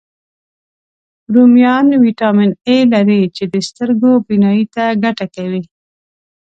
رومیان ویټامین A لري، چې د سترګو بینایي ته ګټه کوي